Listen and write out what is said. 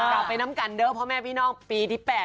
เอาไปน้ำกันเด้อพ่อแม่พี่น้องปีที่๘